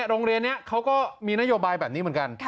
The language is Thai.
โรงเรียนนี้เขาก็มีนโยบายแบบนี้เหมือนกัน